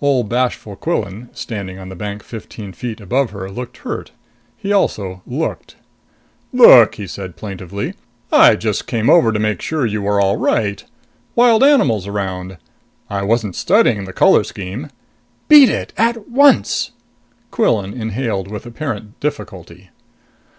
Ole bashful Quillan, standing on the bank fifteen feet above her, looked hurt. He also looked. "Look!" he said plaintively. "I just came over to make sure you were all right wild animals around! I wasn't studying the color scheme." "Beat it! At once!" Quillan inhaled with apparent difficulty.